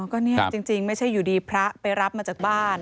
ก็เนี่ยจริงไม่ใช่อยู่ดีพระไปรับมาจากบ้าน